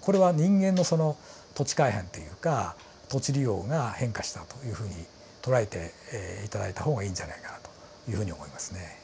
これは人間の土地改変っていうか土地利用が変化したというふうに捉えて頂いた方がいいんじゃないかなというふうに思いますね。